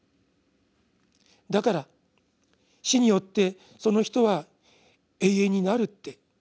だから死によってその人は永遠になるって。